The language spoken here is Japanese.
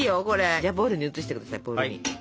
じゃあボウルに移して下さいボウルに。